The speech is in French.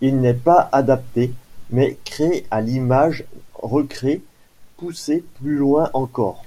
Il n'est pas adapté, mais créé à l'image, recrée, poussé plus loin encore.